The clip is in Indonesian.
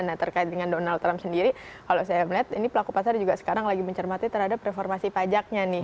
nah terkait dengan donald trump sendiri kalau saya melihat ini pelaku pasar juga sekarang lagi mencermati terhadap reformasi pajaknya nih